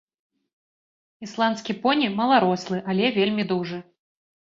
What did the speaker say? Ісландскі поні маларослы, але вельмі дужы.